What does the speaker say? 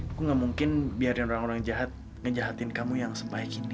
aku gak mungkin biarin orang orang jahat ngejahatin kamu yang sebaik ini